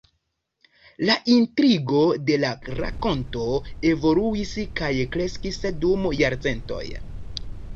La intrigo de la rakonto evoluis kaj kreskis dum jarcentoj.